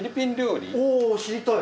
お知りたい。